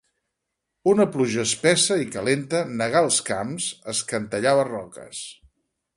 Una pluja espessa i calenta negà els camps, escantellà les roques.